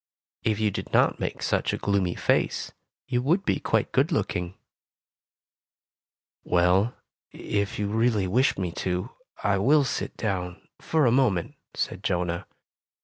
If you did not make such a gloomy face, you would be quite good looking." "Well, if you really wish me to, I will sit down for a moment," said Jonah.